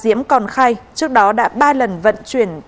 em nó vẫn còn